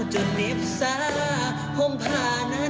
หน้ำของเธอนี่